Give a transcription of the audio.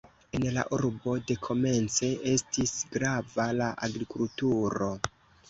En la urbo dekomence estis grava la agrikulturo.